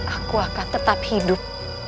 aku akan tetap hidup